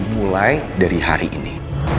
mulai dari hari ini